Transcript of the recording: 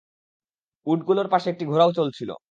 উটগুলোর পাশে একটি ঘোড়াও চলছিল।